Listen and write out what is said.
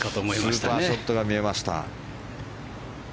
スーパーショットが見えました。